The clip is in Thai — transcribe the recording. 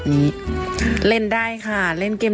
อยู่นี่หุ่นใดมาเพียบเลย